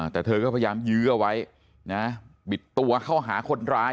แต่เธอก็พยายามยื้อเอาไว้นะบิดตัวเข้าหาคนร้าย